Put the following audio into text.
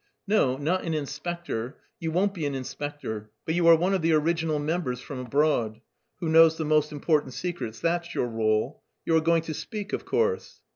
"No, not an inspector; you won't be an inspector; but you are one of the original members from abroad, who knows the most important secrets that's your rôle. You are going to speak, of course?"